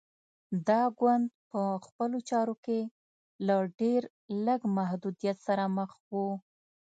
دا ګوند په خپلو چارو کې له ډېر لږ محدودیت سره مخ و.